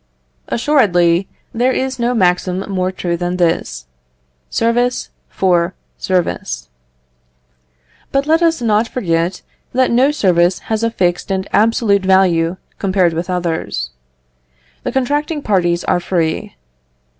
Assuredly, there is no maxim more true than this service for service. But left us not forget that no service has a fixed and absolute value, compared with others. The contracting parties are free.